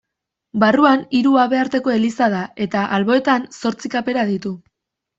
Barruan hiru habearteko eliza da eta, alboetan, zortzi kapera ditu.